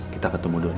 kita ketemu doni